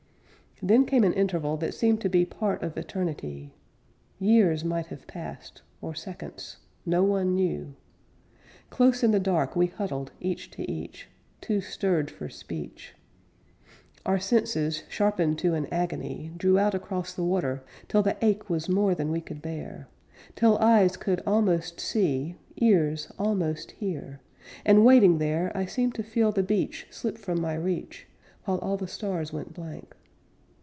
Then came an interval that seemed to be Part of eternity. Years might have passed, or seconds; No one knew! Close in the dark we huddled, each to each, Too stirred for speech. Our senses, sharpened to an agony, Drew out across the water till the ache Was more than we could bear; Till eyes could almost see, Ears almost hear. And waiting there, I seemed to feel the beach Slip from my reach, While all the stars went blank.